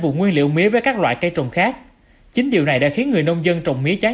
vùng nguyên liệu mía với các loại cây trồng khác chính điều này đã khiến người nông dân trồng mía